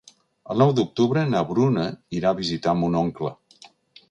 El nou d'octubre na Bruna irà a visitar mon oncle.